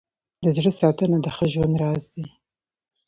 د زړه ساتنه د ښه ژوند راز دی.